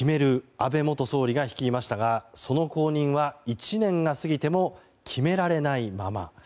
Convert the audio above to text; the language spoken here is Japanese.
安倍元総理が率いましたがその後任は１年が過ぎても決められないまま。